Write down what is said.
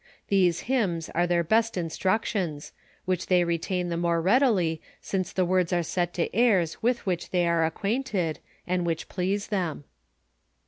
These hymns are their best instructions, which they retain tho more easily, since the words are set to ain with which they are acquainted, and which please them.